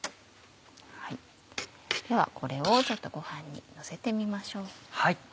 ではこれをちょっとご飯にのせてみましょう。